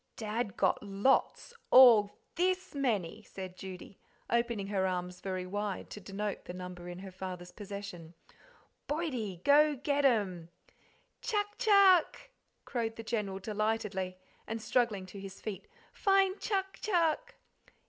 "Dad got lots all THIS many," said Judy, opening her arms very wide to denote the number in her father's possession. "Boydie, go get them!" "Chuck chuck," crowed the General delightedly, and struggling to his feet "find chuck chuck."